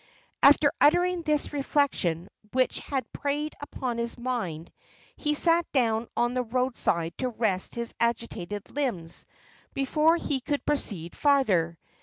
After uttering this reflection which had preyed upon his mind, he sat down on the road side to rest his agitated limbs before he could proceed farther.